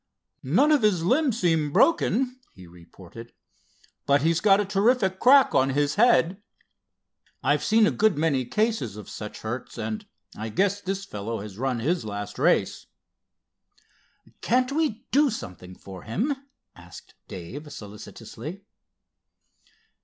"None of his limbs seem broken," he reported, "but he got a terrific crack on his head. I've seen a good many cases of such hurts, and I guess this fellow has run his last race." "Can't we do something for him?" asked Dave solicitously.